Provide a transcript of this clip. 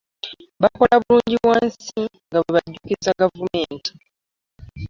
Bakola bulungi bwa nsi nga bwe bajjukiza gavumenti.